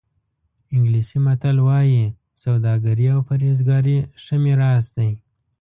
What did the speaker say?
انګلیسي متل وایي سوداګري او پرهېزګاري ښه میراث دی.